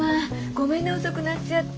ごめんね遅くなっちゃって。